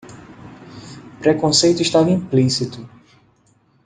O preconceito estava implícito